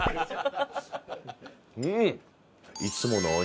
うん！